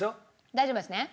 大丈夫です。